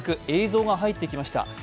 映像が入ってきました。